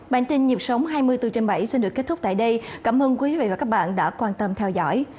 bản tin nhịp sống hai mươi bốn trên bảy xin được kết thúc tại đây cảm ơn quý vị và các bạn đã quan tâm theo dõi